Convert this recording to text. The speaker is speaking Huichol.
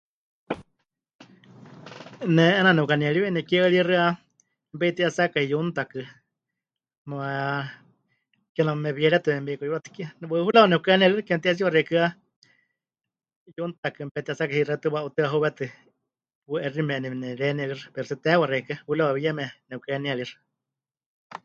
Ne 'eena nepɨkanieriwe nekie rixɨa mepeiti'etsakai yuntakɨ, muuwa, kename mewieretɨwe me'ikuyúruwatɨ ke..., hurawa nepɨkahenieríxɨ ke mɨti'etsiwa xeikɨ́a yuntakɨ mepeti'etsakai xewítɨ wa'utɨa heuwétɨ pu'eximeni nepɨrenieríxɨ, pero tsɨ teewa xeikɨ́a, hurawa yeme nepɨkahenieríxɨ.